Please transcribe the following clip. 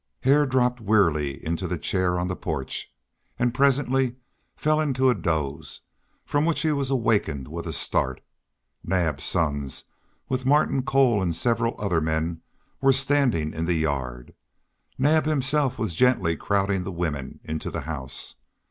Hare dropped wearily into the chair on the porch; and presently fell into a doze, from which he awakened with a start. Naab's sons, with Martin Cole and several other men, were standing in the yard. Naab himself was gently crowding the women into the house.